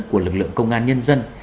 của lực lượng công an nhân dân